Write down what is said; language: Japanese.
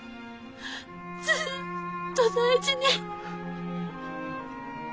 ずっと大事に。